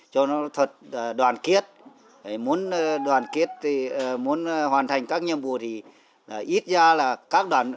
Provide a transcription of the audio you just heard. cho nó thật đoàn kết muốn đoàn kết muốn hoàn thành các nhiệm vụ thì ít ra là các đoàn